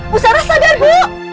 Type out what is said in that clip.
bu sarah sadar bu